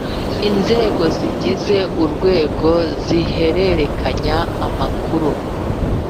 Inzego zigize uru rwego zihererekanya amakuru